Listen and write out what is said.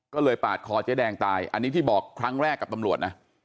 ก็เลยปาดคอเจ๊แดงตายอันนี้ที่บอกครั้งแรกกับตำรวจนะ